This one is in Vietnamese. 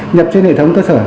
nhập trên hệ thống cơ sở